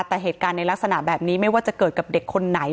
แต่เหตุการณ์ในลักษณะแบบนี้ไม่ว่าจะเกิดกับเด็กคนไหน